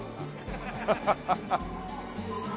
ハハハハ。